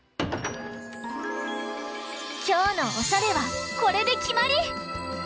きょうのおしゃれはこれできまり！